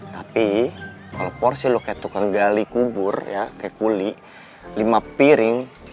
tapi kalau porsi lo kayak tukang gali kubur kayak kuli lima piring